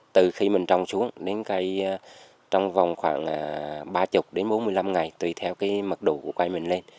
từ khi mình trồng xuống đến cây trong vòng khoảng ba mươi đến bốn mươi năm ngày tùy theo cái mật độ của quay mình lên